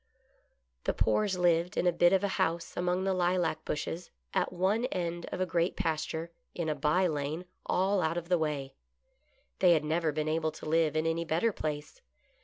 The Poores lived in a bit of a house among the lilac bushes, at one end of a great pasture, in a by lane, all out of the way. They had never been able to live in any better place.